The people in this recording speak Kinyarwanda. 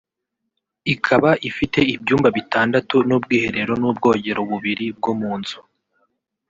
ikaba ifite ibyumba bitandatu n’ubwiherero n’ubwogero bubiri bwo mu nzu